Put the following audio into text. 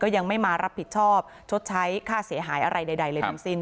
ยังไม่มารับผิดชอบชดใช้ค่าเสียหายอะไรใดเลยทั้งสิ้น